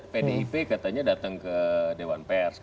pdip katanya datang ke dewan pers